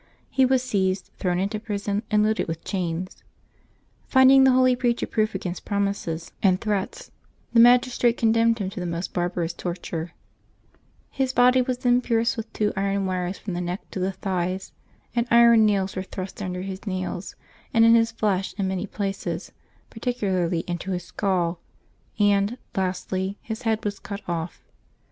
He was seized, thrown into prison, and loaded with chains. Finding the holy preacher proof against promises 348 LIVES OF THE SAINTS [Notembeb 2 and threats, the magistrate condemned him to the most barbarous torture. His body was then pierced with two iron wires from the neck to the thighs, and iron nails were thrust under his nails, and in his flesh in many places, par ticularly into his skull; and, lastly, his head was cut off.